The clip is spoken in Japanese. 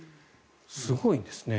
すごいんですね。